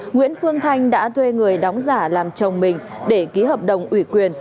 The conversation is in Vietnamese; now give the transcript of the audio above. nguyễn phương thanh đã thuê người đóng giả làm chồng mình để ký hợp đồng ủy quyền